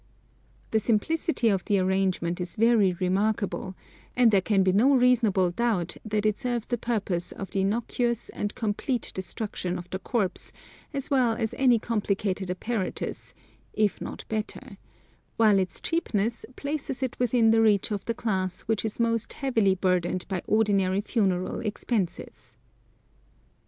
The simplicity of the arrangement is very remarkable, and there can be no reasonable doubt that it serves the purpose of the innocuous and complete destruction of the corpse as well as any complicated apparatus (if not better), while its cheapness places it within the reach of the class which is most heavily burdened by ordinary funeral expenses.